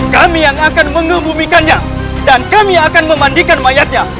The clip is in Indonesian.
kami yang akan mengembumikannya dan kami akan memandikan mayatnya